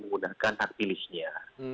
menggunakan hak pilihnya